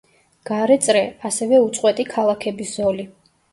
გარე წრე, ასევე უწყვეტი ქალაქების ზოლი.